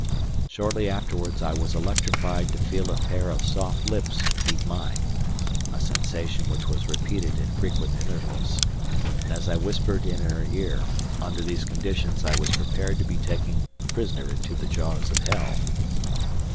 Shortly afterwards I was electrified to feel a pair of soft lips meet mine, a sensation which was repeated at frequent intervals, and, as I whispered in her ear, under these conditions I was prepared to be taken prisoner into the jaws of hell.